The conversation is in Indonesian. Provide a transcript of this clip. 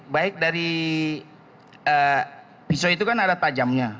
baik dari pisau itu kan ada tajamnya